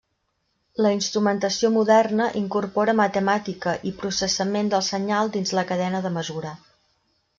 La instrumentació moderna incorpora matemàtica i processament del senyal dins la cadena de mesura.